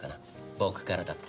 僕からだって。